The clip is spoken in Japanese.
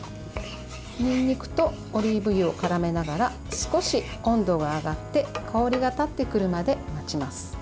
にんにくとオリーブ油をからめながら少し温度が上がって香りが立ってくるまで待ちます。